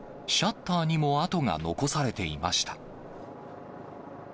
シャッターにも痕が残されていました。